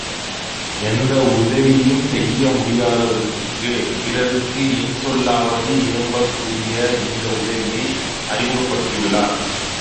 எந்த உதவியும் செய்ய முடியாதவர்க்கு, பிறர்க்கு இன் சொல்லாவது இயம்பக்கூடிய இந்த உதவியை அறிமுகப்படுத்தி யுள்ளார்.